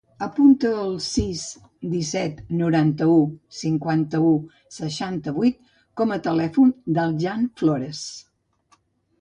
Apunta el sis, disset, noranta-u, cinquanta-u, seixanta-vuit com a telèfon del Jan Flores.